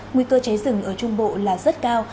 nguyên tơ cháy rừng ở trung bộ là rất cao